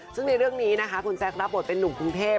ซึ่งในเรื่องนี้นะคะคุณแจ๊ครับบทเป็นนุ่มกรุงเทพ